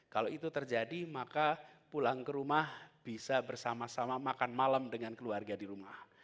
kalau itu terjadi maka pulang ke rumah bisa bersama sama makan malam dengan keluarga di rumah